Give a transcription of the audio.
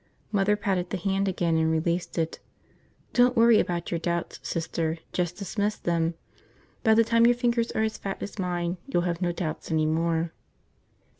Mother patted the hand again and released it. "Don't worry about your doubts, Sister, just dismiss them. By the time your fingers are as fat as mine you'll have no doubts any more."